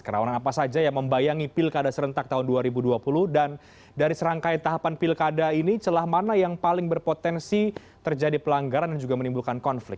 kerawanan apa saja yang membayangi pilkada serentak tahun dua ribu dua puluh dan dari serangkai tahapan pilkada ini celah mana yang paling berpotensi terjadi pelanggaran dan juga menimbulkan konflik